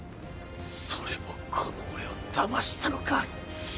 それもこの俺を騙したのか。